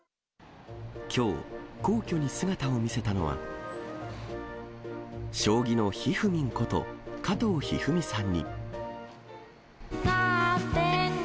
きょう、皇居に姿を見せたのは、将棋のひふみんこと、加藤一二三さんに。